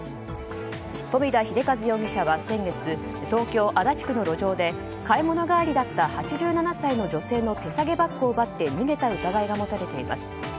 富田秀和容疑者は先月東京・足立区の路上で買い物帰りだった８７歳の女性の手提げバッグを奪って逃げた疑いが持たれています。